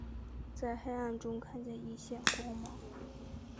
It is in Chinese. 像在黑暗中看见一线光芒